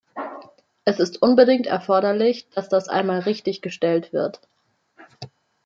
Es unbedingt erforderlich, dass das einmal richtiggestellt wird.